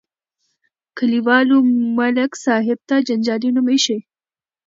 کلیوالو ملک صاحب ته جنجالي نوم ایښی.